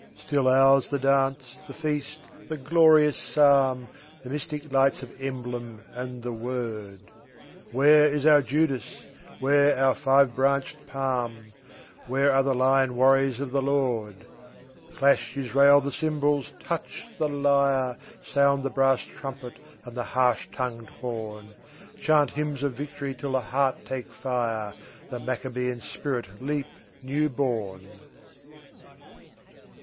Still ours the dance, the feast, the glorious Psalm, The mystic lights of emblem, and the Word. Where is our Judas? Where our five branched palm? Where are the lion warriors of the Lord? Clash, Israel, the cymbals, touch the lyre, Sound the brass trumpet and the harsh tongued horn, Chant hymns of victory till the heart take fire, The Maccabean spirit leap new born!